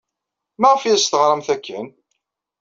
Maɣef ay as-teɣramt akken?